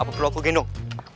apa perlu aku gendong